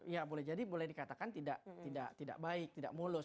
ya boleh jadi boleh dikatakan tidak baik tidak mulus